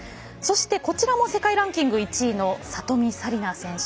こちらも世界ランキング１位の里見紗李奈選手